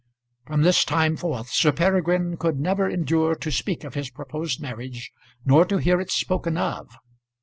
From this time forth Sir Peregrine could never endure to speak of his proposed marriage, nor to hear it spoken of.